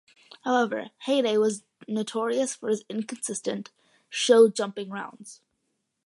However, Heyday was notorious for his inconsistent show jumping rounds.